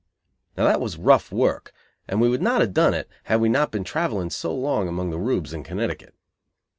Now that was rough work, and we would not have done it, had we not been travelling so long among the Reubs in Connecticut.